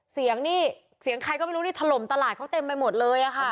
เสียงนี่เสียงใครก็ไม่รู้นี่ถล่มตลาดเขาเต็มไปหมดเลยอะค่ะ